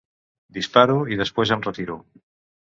Disparo i després em retiro.